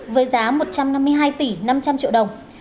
với giá một trăm năm mươi hai tỷ năm trăm linh triệu đồng